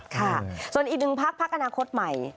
ค่ะส่วนอีกหนึ่งภักดิ์ภักดิ์อนาคตใหม่